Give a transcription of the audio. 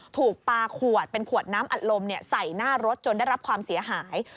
ถูกปลาขวดเป็นขวดน้ำอัดลมใส่หน้ารถจนได้รับความเสียหาย